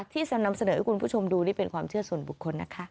ที่จะนำเสนอให้คุณผู้ชมดูนี่เป็นความเชื่อส่วนบุคคลนะคะ